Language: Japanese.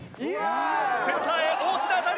センターへ大きな当たり！